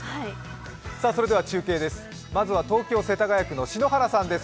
それでは中継です、まずは東京・世田谷区の篠原さんです。